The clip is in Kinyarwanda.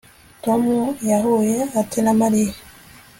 tom yahuye ate na mariya